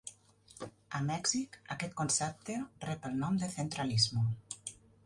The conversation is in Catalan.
A Mèxic aquest concepte rep el nom de "centralismo".